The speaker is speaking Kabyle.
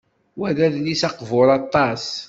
Wa d adlis aqbur aṭas.